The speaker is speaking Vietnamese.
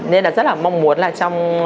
nên là rất là mong muốn là trong